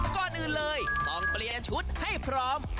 ก่อนอื่นเลยต้องเปลี่ยนชุดให้พร้อม